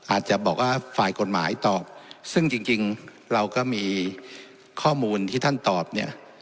อาจจะบอกว่าฝ่ายกฎหมายตอบซึ่งจริงจริงเราก็มีข้อมูลที่ท่านตอบเนี่ย